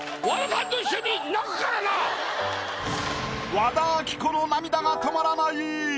和田アキ子の涙が止まらない！